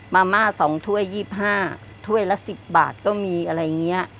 มาม่า๒ถ้วย๒๕ถ้วยละ๑๐บาทก็มีอะไรอย่างนี้